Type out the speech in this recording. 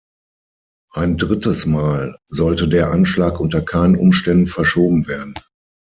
Ein drittes Mal sollte der Anschlag unter keinen Umständen verschoben werden.